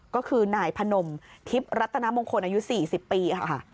ก็คือนายพนมทิพย์รัตนมงคลอายุ๔๐ปีค่ะ